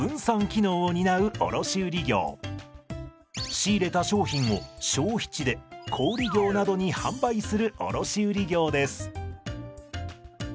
仕入れた商品を消費地で小売業などに販売する卸売業です。